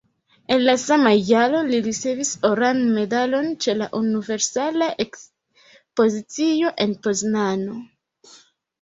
En la sama jaro li ricevis Oran Medalon ĉe la Universala Ekspozicio en Poznano.